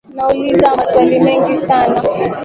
Nauliza maswali mengi sana